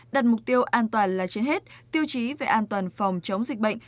đặt mục tiêu an toàn là trên hết tiêu chí về an toàn phòng chống dịch bệnh